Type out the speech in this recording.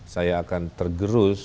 saya akan tergerus